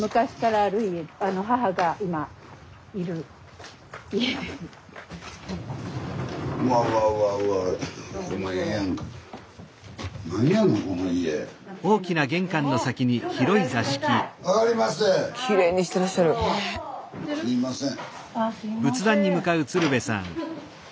あすいません。